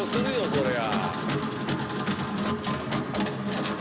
そりゃ。